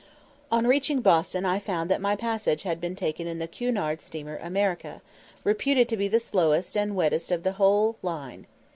On reaching Boston I found that my passage had been taken in the Cunard steamer America, reputed to be the slowest and wettest of the whole line.